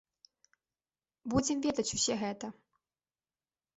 Будзем ведаць усе гэта.